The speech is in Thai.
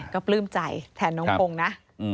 ก็ปลื้มใจแทนน้องพงศ์นะ